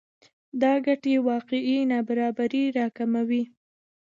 دا ګټې واقعي نابرابری راکموي